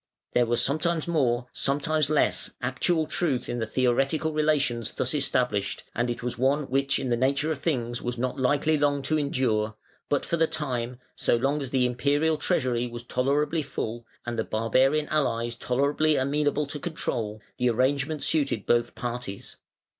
There was sometimes more, sometimes less, actual truth in the theoretical relations thus established, and it was one which in the nature of things was not likely long to endure: but for the time, so long as the Imperial treasury was tolerably full and the barbarian allies tolerably amenable to control, the arrangement suited both parties.